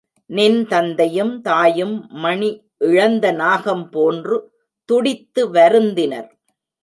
நின் தந்தையும் தாயும் மணிஇழந்த நாகம் போன்று துடித்து வருந்தினர்.